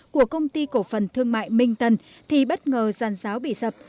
của công ty cổ phần thương mại minh tân thì bất ngờ giàn giáo bị sập